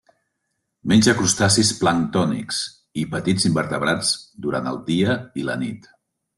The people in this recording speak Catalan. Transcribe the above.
Menja crustacis planctònics i petits invertebrats durant el dia i la nit.